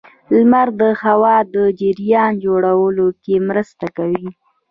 • لمر د هوا د جریان جوړولو کې مرسته کوي.